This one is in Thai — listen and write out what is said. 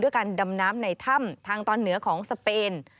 การดำน้ำในถ้ำทางตอนเหนือของสเปน